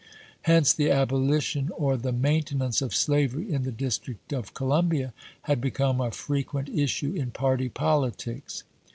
Hence the abolition or the mainte nance of slavery in the District of Columbia had become a frequent issue in party politics.